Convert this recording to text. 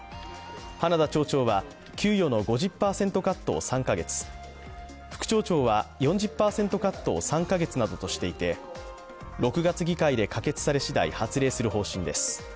花田町長は給与の５０％カットを３カ月、副町長は４０％カットを３カ月などとしていて６月議会で可決されしだい発令する方針です。